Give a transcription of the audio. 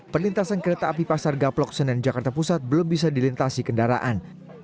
perlintasan kereta api pasar gaplok senen jakarta pusat belum bisa dilintasi kendaraan